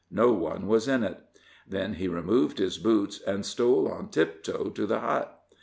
No one was in it. Then he removed his boots and stole on tiptoe to the hut.